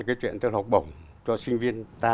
cái chuyện tên học bổng cho sinh viên ta